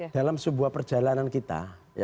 dalam sebuah perjalanan kita